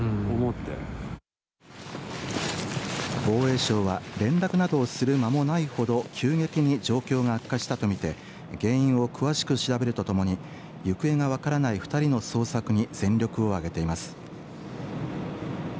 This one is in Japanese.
防衛省は連絡などをする間もないほど急激に状況が悪化したと見て原因を詳しく調べるとともに行方が分からない２人の捜索に全力を挙げています。